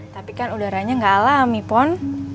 tapi kan udaranya nggak alami pon